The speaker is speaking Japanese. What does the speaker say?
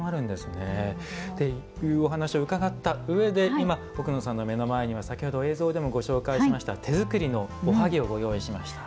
お話を伺ったうえで今、奥野さんの目の前には映像でもご紹介しました手作りのおはぎをご用意しました。